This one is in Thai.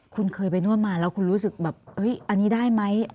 คุณเคยไปนวดมาแล้วคุณรู้สึกแบบอันนี้ได้ไหม